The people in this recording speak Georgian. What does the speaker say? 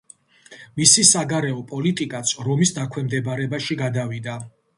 მისი საგარეო პოლიტიკაც რომის დაქვემდებარებაში გადავიდა.